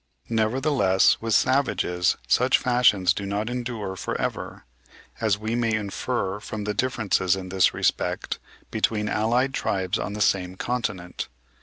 Nevertheless, with savages such fashions do not endure for ever, as we may infer from the differences in this respect between allied tribes on the same continent.